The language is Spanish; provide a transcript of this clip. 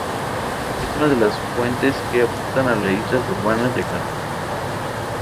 Es uno de las fuentes que aportan a las islas urbanas de calor.